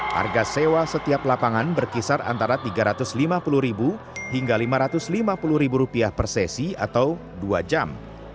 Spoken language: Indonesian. harga sewa setiap lapangan berkisar antara rp tiga ratus lima puluh hingga rp lima ratus lima puluh per sesi atau dua jam